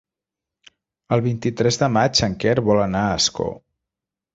El vint-i-tres de maig en Quer vol anar a Ascó.